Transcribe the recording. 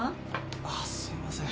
あっすいません。